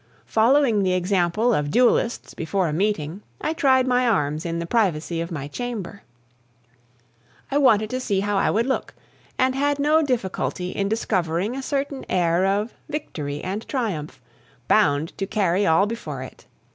Following the example of duelists before a meeting, I tried my arms in the privacy of my chamber. I wanted to see how I would look, and had no difficulty in discovering a certain air of victory and triumph, bound to carry all before it.